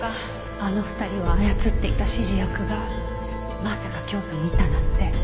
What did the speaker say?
あの２人を操っていた指示役がまさか京都にいたなんて。